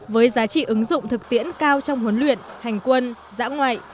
với giá trị ứng dụng thực tiễn cao trong huấn luyện hành quân giã ngoại